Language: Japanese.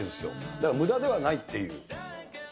だからむだではないっていう。